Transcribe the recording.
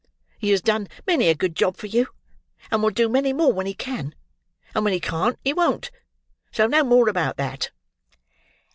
He has done many a good job for you, and will do many more when he can; and when he can't he won't; so no more about that."